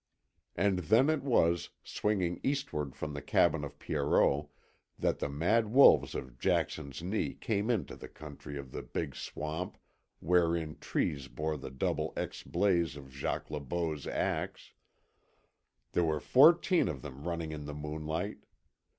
And then it was, swinging eastward from the cabin of Pierrot, that the mad wolves of Jackson's Knee came into the country of the big swamp wherein trees bore the Double X blaze of Jacques Le Beau's axe. There were fourteen of them running in the moonlight.